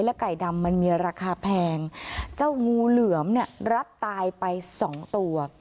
ไก่ดำมันมีราคาแพงเจ้างูเหลือมเนี่ยรัดตายไปสองตัว